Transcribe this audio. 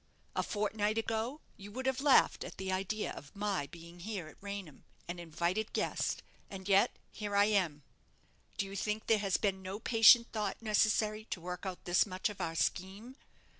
A fortnight ago you would have laughed at the idea of my being here at Raynham, an invited guest; and yet here I am. Do you think there has been no patient thought necessary to work out this much of our scheme?